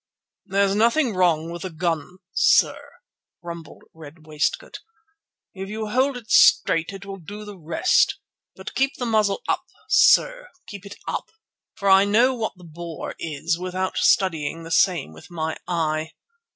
"There's nothing wrong with the gun, sir," rumbled Red Waistcoat. "If you hold it straight it will do the rest. But keep the muzzle up, sir, keep it up, for I know what the bore is without studying the same with my eye.